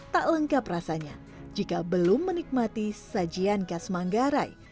tak lengkap rasanya jika belum menikmati sajian khas manggarai